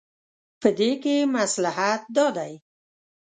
په دې کې مصلحت دا دی.